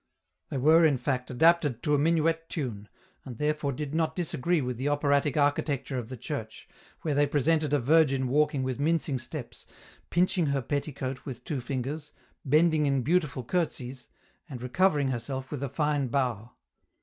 They were, in fact, adapted to a minuet tune, and therefore did not disagree with the operatic architecture of the church, where they presented a Virgin walking with mincing steps, pinching her petticoat with two fingers, bending in beautiful curtseys, and recovering herself with a fine bow.